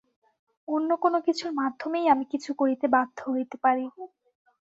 অন্য কোন কিছুর মাধ্যমেই আমি কিছু করিতে বাধ্য হইতে পারি।